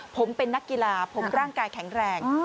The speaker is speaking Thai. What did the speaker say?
ผมเป็นนักกีฬาผมร่างกายแข็งแรง